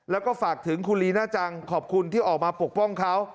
แล้วก็ฝากถึงคุณลีน่าจังขอบคุณที่ออกมาปกป้องเขา